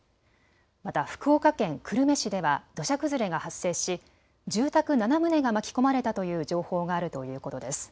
また福岡県久留米市では土砂崩れが発生し住宅７棟が巻き込まれたという情報があるということです。